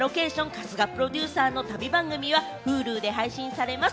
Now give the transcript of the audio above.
春日プロデューサーの旅番組』は、Ｈｕｌｕで配信されます。